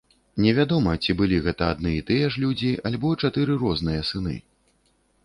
Невядома, ці былі гэта адны і тыя ж людзі, альбо чатыры розныя сыны.